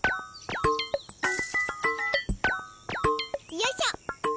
よいしょ。